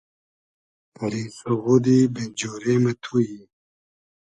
پئری سوغودی بې جۉرې مۂ تو یی